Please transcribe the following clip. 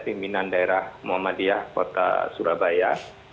pimpinan daerah muhammadiyah kota surabaya